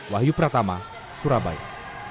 wahyu pratama surabaya